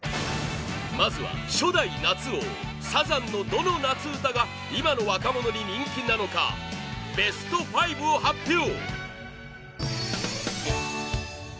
まずは初代夏王サザンのどの夏うたが今の若者に人気なのかベスト５を発表